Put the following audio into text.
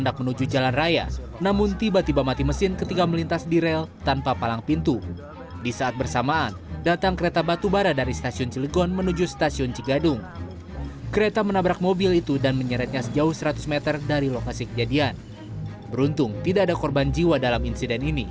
dan jiwa dalam insiden ini